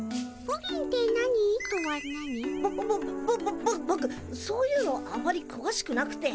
ぼっぼっぼくそういうのあまりくわしくなくて。